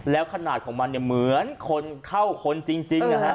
แล้วขนาดของมันเนี่ยเหมือนคนเข้าคนจริงนะฮะ